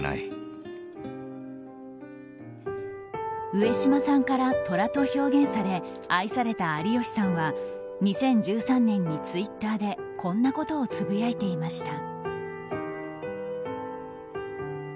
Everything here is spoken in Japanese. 上島さんからトラと表現され愛された有吉さんは２０１３年にツイッターでこんなことをつぶやいていました。